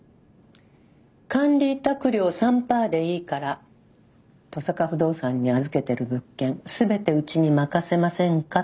「管理委託料３パーでいいから登坂不動産に預けてる物件全てうちに任せませんか」